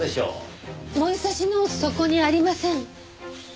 燃えさしのそこにありません？